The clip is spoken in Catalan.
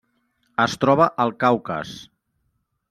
Es troba al Caucas.